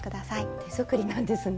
手作りなんですね。